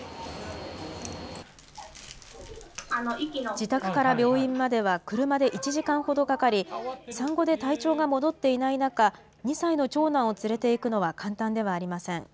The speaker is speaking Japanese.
自宅から病院までは車で１時間ほどかかり、産後で体調が戻っていない中、２歳の長男を連れていくのは簡単ではありません。